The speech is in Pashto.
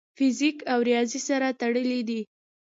فزیک او ریاضي سره تړلي دي.